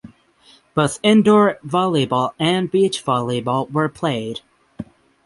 Both indoor volleyball and beach volleyball were played.